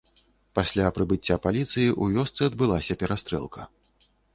Пасля прыбыцця паліцыі ў вёсцы адбылася перастрэлка.